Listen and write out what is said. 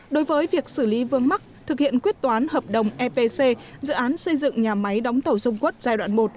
đối với việc xử lý vương mắc thực hiện quyết toán hợp đồng epc dự án xây dựng nhà máy đóng tàu dung quất giai đoạn một